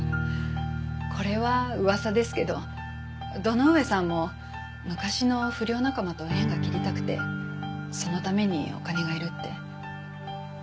これは噂ですけど堂上さんも昔の不良仲間と縁が切りたくてそのためにお金がいるって。